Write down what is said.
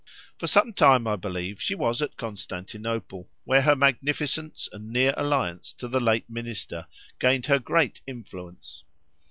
For some time, I believe, she was at Constantinople, where her magnificence and near alliance to the late Minister gained her great influence.